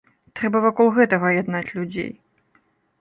Трэба вакол гэтага яднаць людзей.